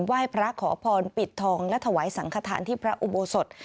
ไหว้พระขอพรปิดทองและถวายสังขทานที่พระอุโบสถ